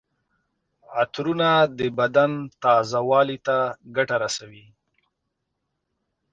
عطرونه د بدن تازه والي ته ګټه رسوي.